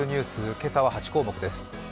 今朝は８項目です。